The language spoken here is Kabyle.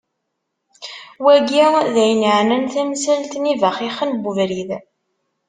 Wagi d ayen iεnan tamsalt n yibaxixen n ubrid.